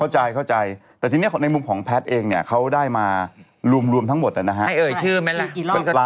จากกลัวเอาตังค์ทอนไปซื้อโตโยต้าอย่างเงี้ย